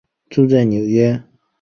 住在纽约。